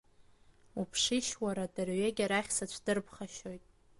Уԥшишь, уара, дырҩегьых арахь сацәдырԥхашьоит.